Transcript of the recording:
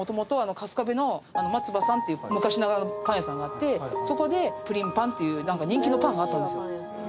春日部のまつばさんっていう昔ながらのパン屋さんがあってそこでプリンパンっていう人気のパンがあったんですよ